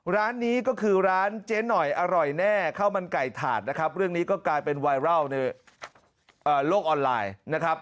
ร้านนี้ก็คือร้านเจ๊หน่อยอร่อยแน่ข้าวมันไก่ถาดนะครับเรื่องนี้ก็กลายเป็นไวรัลในโลกออนไลน์นะครับ